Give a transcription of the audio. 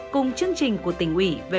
cùng chương trình của tỉnh ủy về